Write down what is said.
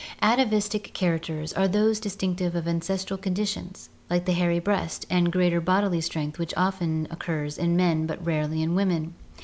Atavistic characters are those distinctive of ancestral condi tions, like the hairy breast and greater bodily strength which often occur in men but rarely in women.